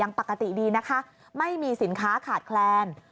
ปกติดีนะคะไม่มีสินค้าขาดแคลน